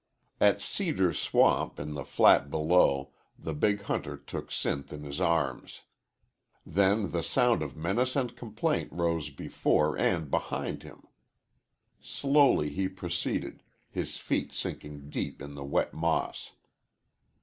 At Cedar Swamp, in the flat below, the big hunter took Sinth in his arms. Then the sound of menace and complaint rose before and behind him. Slowly he proceeded, his feet sinking deep in the wet moss.